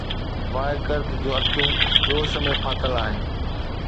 Y ڪرد جون اکيون جوش ۾ ڦاٿل آهن